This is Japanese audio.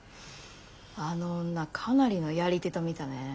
あの女かなりのやり手と見たね。